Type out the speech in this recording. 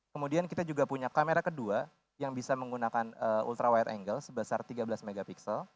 kemudian kita juga punya kamera kedua yang bisa menggunakan ultra wide angle sebesar tiga belas mp